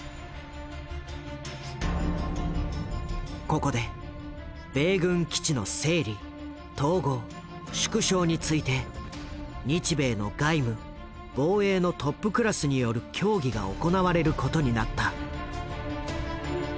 ここで米軍基地の整理・統合・縮小について日米の外務防衛のトップクラスによる協議が行われることになった。